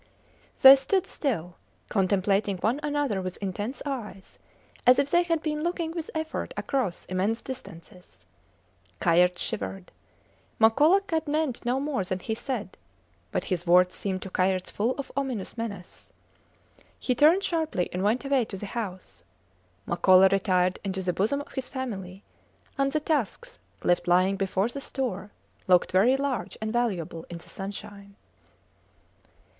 They stood still, contemplating one another with intense eyes, as if they had been looking with effort across immense distances. Kayerts shivered. Makola had meant no more than he said, but his words seemed to Kayerts full of ominous menace! He turned sharply and went away to the house. Makola retired into the bosom of his family; and the tusks, left lying before the store, looked very large and valuable in the sunshine.